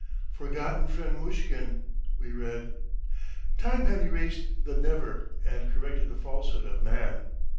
"... forgotten friend Mushkin ..." we read. Time had erased the never, and corrected the falsehood of man.